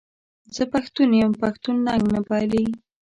زه پښتون یم پښتون ننګ نه بایلي.